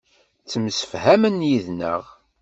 Ttemsefhamen yid-neɣ.